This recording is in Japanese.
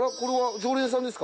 常連さんです。